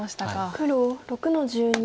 黒６の十二。